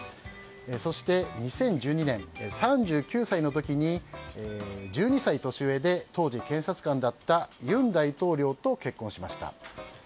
そして、２０１２年３９歳の時に１２歳年上で当時、検察官だった尹大統領と結婚しました。